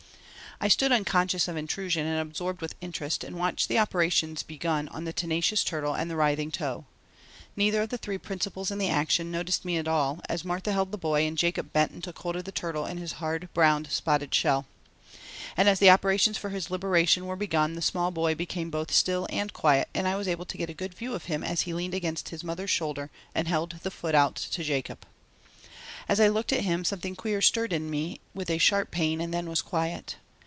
I stood unconscious of intrusion and absorbed with interest and watched the operations begun on the tenacious turtle and the writhing toe. Neither of the three principals in the action noticed me at all as Martha held the boy and Jacob bent and took hold of the turtle in his hard brown spotted shell. And as the operations for his liberation were begun the small boy became both still and quiet and I was able to get a good view of him as he leaned against his mother's shoulder and held out the foot to Jacob. As I looked at him something queer stirred in me with a sharp pain and then was quiet.